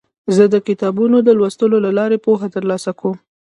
زه د کتابونو د لوستلو له لارې پوهه ترلاسه کوم.